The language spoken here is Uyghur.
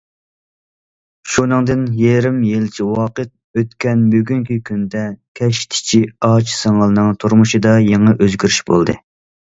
شۇنىڭدىن يېرىم يىلچە ۋاقىت ئۆتكەن بۈگۈنكى كۈندە، كەشتىچى ئاچا- سىڭىلنىڭ تۇرمۇشىدا يېڭى ئۆزگىرىش بولدى.